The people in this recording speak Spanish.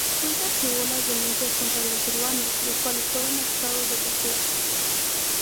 El juez archivó las denuncias contra los urbanos, los cuales fueron acusados de torturas.